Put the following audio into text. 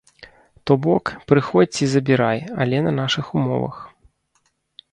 То бок, прыходзь і забірай, але на нашых умовах.